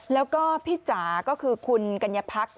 แล้วก็พี่จ๋าก็คือคุณกัญญาพัก